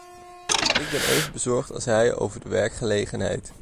Ik ben even bezorgd als hij over de werkgelegenheid.